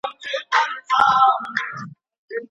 پنځم شرط: د منځګړيتوب په احکامو پوره پوهه لرل دي.